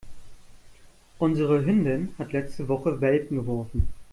Unsere Hündin hat letzte Woche Welpen geworfen.